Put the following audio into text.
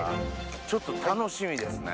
ちょっと楽しみですね。